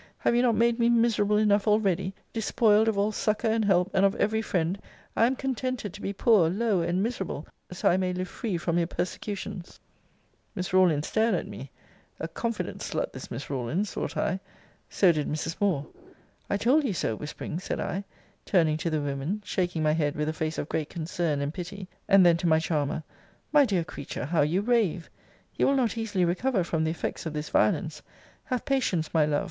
Have you not made me miserable enough already? Despoiled of all succour and help, and of every friend, I am contented to be poor, low, and miserable, so I may live free from your persecutions. Miss Rawlins stared at me [a confident slut this Miss Rawlins, thought I]: so did Mrs. Moore. I told you so! whispering said I, turning to the women; shaking my head with a face of great concern and pity; and then to my charmer, My dear creature, how you rave! You will not easily recover from the effects of this violence. Have patience, my love.